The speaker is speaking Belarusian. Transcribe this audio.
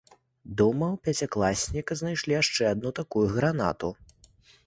Дома ў пяцікласніка знайшлі яшчэ адну такую гранату.